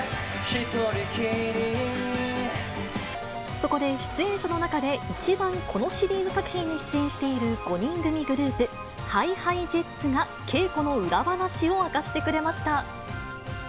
そこで、出演者の中で一番このシリーズ作品に出演している５人組グループ、ＨｉＨｉＪｅｔｓが稽古の裏話を明かしてくれました。